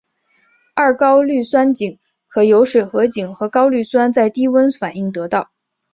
二高氯酸肼可由水合肼和高氯酸在低温反应得到。